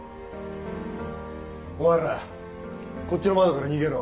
お前らこっちの窓から逃げろ。